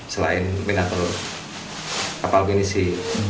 selain miniatur kapal pinisi